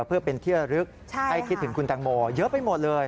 เพื่อเป็นที่ระลึกให้คิดถึงคุณแตงโมเยอะไปหมดเลย